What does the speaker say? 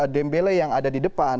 dembele yang ada di depan